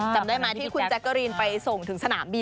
จำได้ไหมที่คุณแจ๊กกะรีนไปส่งถึงสนามบิน